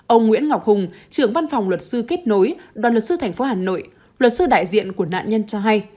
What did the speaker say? ông nguyễn ngọc hùng trưởng văn phòng luật sư kết nối đoàn luật sư thành phố hà nội luật sư đại diện của nạn nhân cho hay